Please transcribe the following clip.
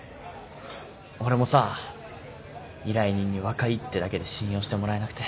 俺もさ依頼人に若いってだけで信用してもらえなくて。